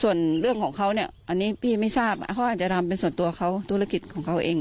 ส่วนเรื่องของเขาเนี่ยอันนี้พี่ไม่ทราบเขาอาจจะทำเป็นส่วนตัวเขาธุรกิจของเขาเอง